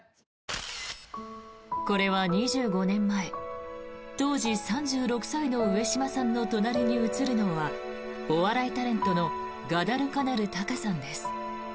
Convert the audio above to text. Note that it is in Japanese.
これは２５年前当時、３６歳の上島さんの隣に写るのはお笑いタレントのガダルカナル・タカさんです。